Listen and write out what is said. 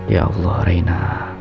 ya allah reina